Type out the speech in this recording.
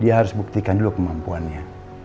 dia harus buktikan dulu kemampuannya